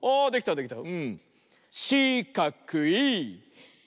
できたね。